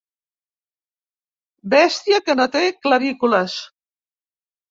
Bèstia que no té clavícules.